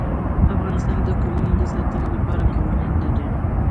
افغانستان د قومونه د ساتنې لپاره قوانین لري.